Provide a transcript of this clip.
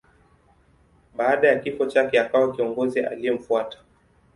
Baada ya kifo chake akawa kiongozi aliyemfuata.